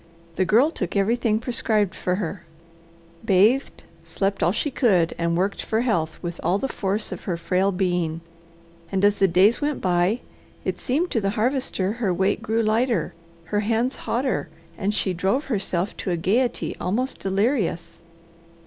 The Girl took everything prescribed for her, bathed, slept all she could, and worked for health with all the force of her frail being, and as the days went by it seemed to the Harvester her weight grew lighter, her hands hotter, and she drove herself to a gayety almost delirious.